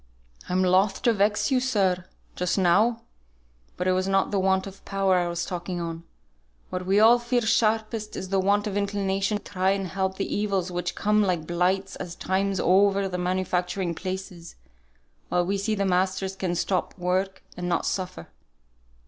"I'm loth to vex you, sir, just now; but it was not the want of power I was talking on; what we all feel sharpest is the want of inclination to try and help the evils which come like blights at times over the manufacturing places, while we see the masters can stop work and not suffer.